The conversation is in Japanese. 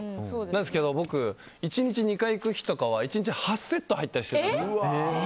なんですけど、僕は１日２回行く日とかは１日８セット入ったりしてます。